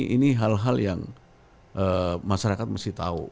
ini hal hal yang masyarakat mesti tahu